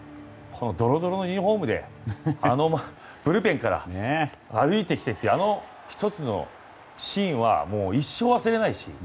どろどろのユニホームでブルペンから歩いてきてあの１つのシーンは一生忘れないし。